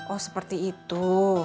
oh seperti itu